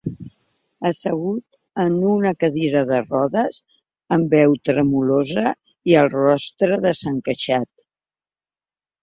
Assegut en una cadira de rodes, amb veu tremolosa i el rostre desencaixat.